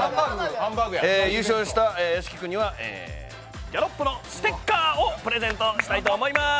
優勝した屋敷君には、ギャロップのステッカーをプレゼントしたいと思います。